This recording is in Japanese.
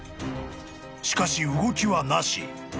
［しかし動きはなし］